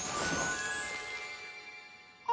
あ。